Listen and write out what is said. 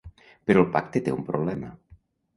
Però el pacte té un problema